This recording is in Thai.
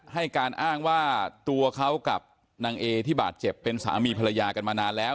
ให้การอ้างว่าตัวเขากับนางเอที่บาดเจ็บเป็นสามีภรรยากันมานานแล้ว